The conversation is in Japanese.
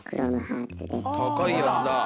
高いやつだ。